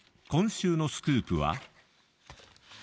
今週のスクープは？